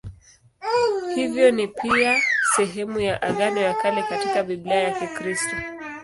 Hivyo ni pia sehemu ya Agano la Kale katika Biblia ya Kikristo.